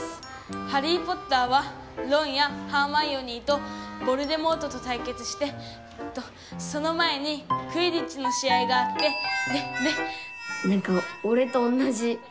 『ハリー・ポッター』はロンやハーマイオニーとヴォルデモートとたいけつしてえっとその前にクィディッチの試合があってでで」。